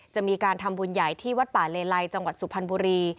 จะมีการทำบุญใหญ่ที่วัดป่าเลไลจังหวัดสุพรรณบุรี